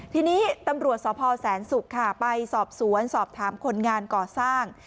ทีนี้ตำรวจสพแสนศุกร์ค่ะไปสอบสวนสอบถามคนงานก่อสร้าง